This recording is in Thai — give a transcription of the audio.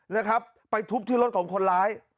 นะครับไปทุบที่รถของคนร้าย